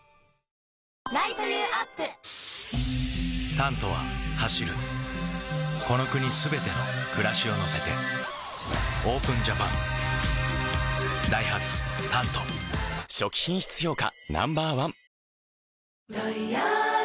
「タント」は走るこの国すべての暮らしを乗せてＯＰＥＮＪＡＰＡＮダイハツ「タント」初期品質評価